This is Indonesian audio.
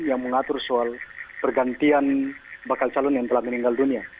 yang mengatur soal pergantian bakal calon yang telah meninggal dunia